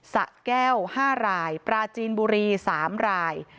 สะแก้ว๕รายปราจีนบุรี๓ราย